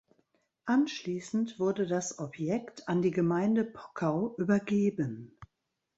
Anschließend wurde das Objekt an die Gemeinde Pockau übergeben.